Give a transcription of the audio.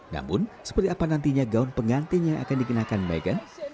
namun seperti apa nantinya gaun pengantin yang akan dikenakan meghan